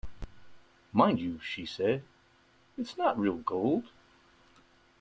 Mind you, she said, it's not real gold.